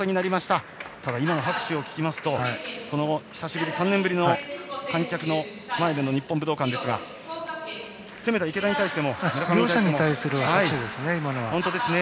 ただ、今の拍手を聞くと久しぶり、３年ぶりの観客の前での日本武道館ですが攻めた池田に対しても。両者に対する拍手ですね。